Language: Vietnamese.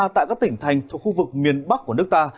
tại các tỉnh thành thuộc khu vực miền bắc của nước ta